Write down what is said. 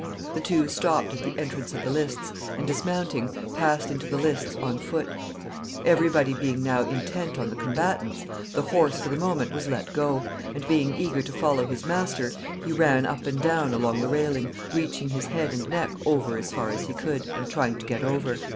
The two stopped at the entrance of the lists, and dismounting, passed into the lists on foot. Every body being now intent on the combatants, the horse for the moment was let go, and, being eager to follow his master, he ran up and down along the railing, reaching his head and neck over as far as he could, and trying to get over.